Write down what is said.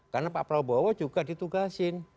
karena pak prabowo juga ditugasin